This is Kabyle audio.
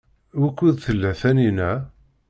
Wukud tella Taninna?